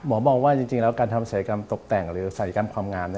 มองว่าจริงแล้วการทำศัยกรรมตกแต่งหรือศัยกรรมความงาม